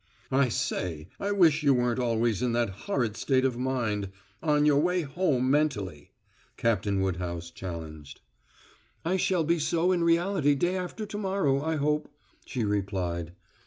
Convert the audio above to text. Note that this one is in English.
"I say, I wish you weren't always in that horrid state of mind on your way home mentally," Captain Woodhouse challenged. "I shall be so in reality day after to morrow, I hope," she replied.